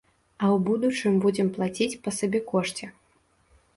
А ў будучым будзем плаціць па сабекошце.